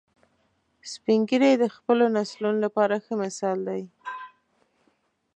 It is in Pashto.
سپین ږیری د خپلو نسلونو لپاره ښه مثال دي